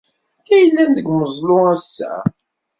Anti ay yellan deg umeẓlu ass-a?